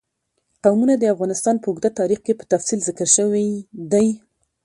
قومونه د افغانستان په اوږده تاریخ کې په تفصیل ذکر شوی دی.